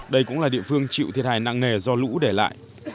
đây cũng là địa phương chịu thiệt hại nặng nề do lũ để lại